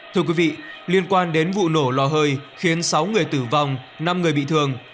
thưa quý vị liên quan đến vụ nổ lò hơi khiến sáu người tử vong năm người bị thương